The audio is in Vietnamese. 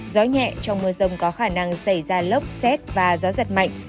gió nhẹ trong mưa rông có khả năng xảy ra lốc xét và gió giật mạnh